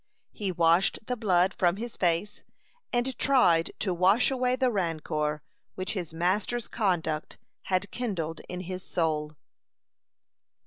He washed the blood from his face, and tried to wash away the rancor which his master's conduct had kindled in his soul.